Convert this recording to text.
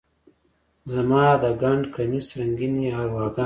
زما د ګنډ کمیس رنګینې ارواګانې،